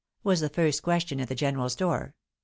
was the first question at the general's door.